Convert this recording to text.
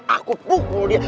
aku pukul dia